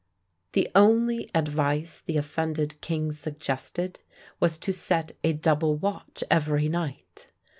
The only advice the offended king suggested was to set a double watch every night!